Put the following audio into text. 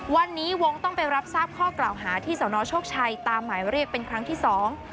วันนี้วงต้องไปรับทราบข้อกล่าวหาที่สนโชคชัยตามหมายเรียกเป็นครั้งที่สอง